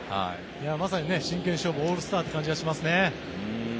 まさに真剣勝負オールスターという感じがしますね。